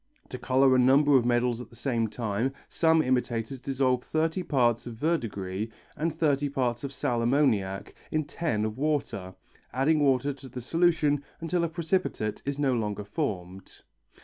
To colour a number of medals at the same time, some imitators dissolve thirty parts of verdigris and thirty parts of sal ammoniac in ten of water, adding water to the solution till a precipitate is no longer formed.